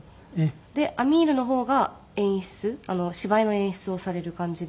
でアミールの方が演出芝居の演出をされる感じで。